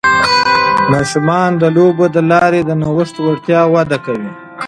ماشومان د لوبو له لارې د نوښت وړتیا وده کوي.